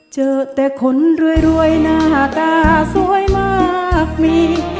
เจอแต่คนรวยหน้าตาสวยมากมี